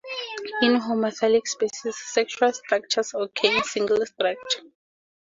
In homothallic species, sexual structures occur in single culture.